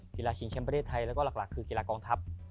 กีฬาชิงแชมป์ประเทศไทยแล้วก็หลักคือกีฬากองทัพ